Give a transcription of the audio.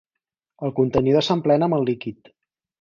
El contenidor s'emplena amb el líquid.